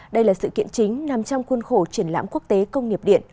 đây là sự kiện chính nằm trong khuôn khổ triển lãm quốc tế công nghiệp điện